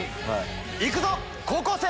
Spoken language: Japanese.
行くぞ高校生！